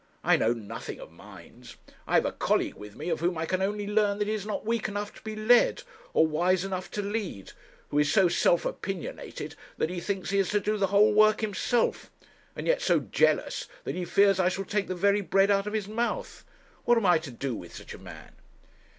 I know nothing of mines. I have a colleague with me of whom I can only learn that he is not weak enough to be led, or wise enough to lead; who is so self opinionated that he thinks he is to do the whole work himself, and yet so jealous that he fears I shall take the very bread out of his mouth. What am I to do with such a man?'